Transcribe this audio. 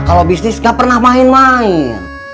kalau bisnis gak pernah main main